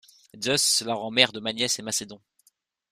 Zeus la rend mère de Magnès et Macédon.